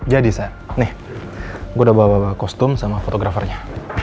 jadi saya nih gue udah bawa bawa kostum sama fotografernya